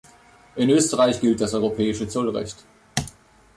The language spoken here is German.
In Österreich gilt das europäische Zollrecht.